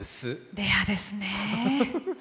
レアですね。